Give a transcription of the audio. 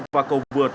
và cầu vượt